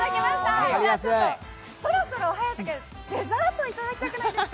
そろそろ颯君、デザートいただきたくないですか？